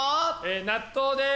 納豆です。